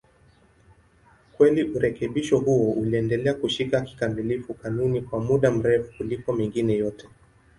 Kweli urekebisho huo uliendelea kushika kikamilifu kanuni kwa muda mrefu kuliko mengine yote.